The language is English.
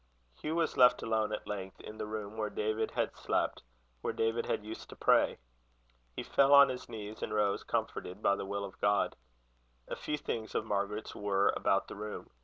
Hugh was left alone at length, in the room where David had slept, where David had used to pray. He fell on his knees, and rose comforted by the will of God. A few things of Margaret's were about the room.